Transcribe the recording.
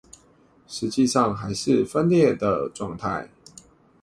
實際上還是分裂的狀態